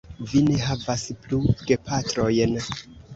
Vi ne havas plu gepatrojn.